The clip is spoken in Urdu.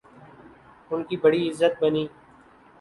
ان کی بڑی عزت بنی۔